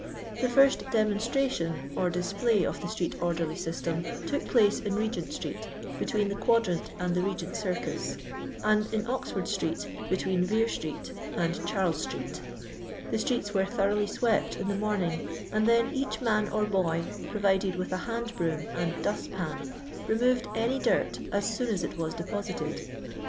The first " demonstFation," or display of the street orderly system, took place in Regent street, between the Quadrant and the Begent circus, and in Oxford street, between Yere street and Charles street The streets were thoroughly swept in the morning, and then each man or boy, provided with a hand broom and dust pan, removed any dirt as soon as it was deposited.